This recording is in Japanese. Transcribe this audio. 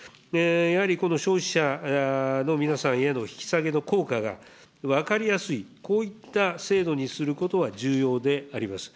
やはりこの消費者の皆さんへの引き下げの効果が分かりやすい、こういった制度にすることは重要であります。